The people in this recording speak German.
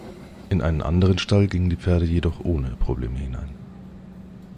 In einen anderen Stall gingen die Pferde jedoch ohne Probleme hinein.